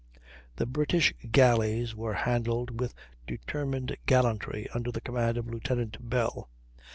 The British galleys were handled with determined gallantry, under the command of Lieutenant Bell.